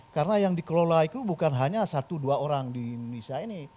karena yang dikelola itu bukan hanya satu dua orang di indonesia ini